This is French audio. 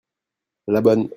la bonne.